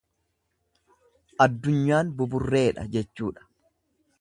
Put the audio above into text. Addunyaan buburreedha jechuudha.